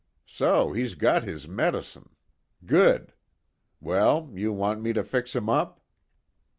So he's got his medicine. Good. Well, you want me to fix him up?"